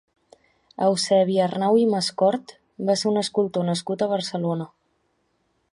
Eusebi Arnau i Mascort va ser un escultor nascut a Barcelona.